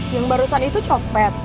yang barusan itu copet